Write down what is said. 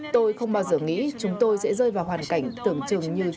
tôi không bao giờ nghĩ chúng tôi sẽ rơi vào hoàn cảnh tưởng chừng như chỉ có một người